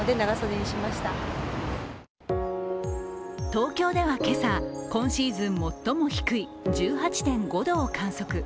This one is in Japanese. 東京では今朝、今シーズン最も低い１８．５度を観測。